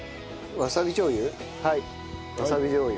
わさびじょう油？